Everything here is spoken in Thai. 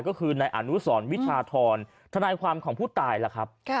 ก็คือนายอนุสรวิชาธรทนายความของผู้ตายล่ะครับ